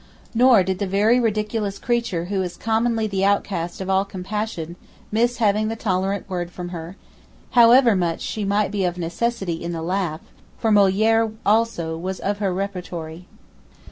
Nor did the very ridiculous creature who is commonly the outcast of all compassion miss having the tolerant word from her, however much she might be of necessity in the laugh, for Molière also was of her repertory.